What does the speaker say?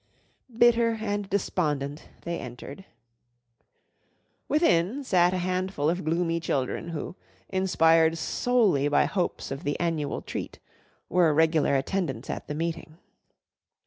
Bitter and despondent, they entered. Within sat a handful of gloomy children who, inspired solely by hopes of the annual treat, were regular attendants at the meeting.